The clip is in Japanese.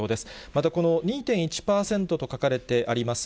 またこの２．１％と書かれてあります